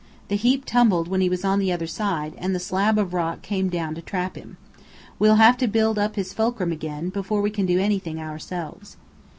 The heap tumbled when he was on the other side, and the slab of rock came down to trap him. We'll have to build up his fulcrum again, before we can do anything ourselves."